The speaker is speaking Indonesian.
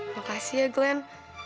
makasih ya glenn